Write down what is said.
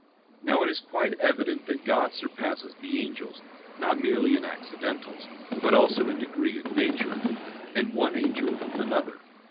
Now it is quite evident that God surpasses the angels, not merely in accidentals, but also in degree of nature; and one angel, another.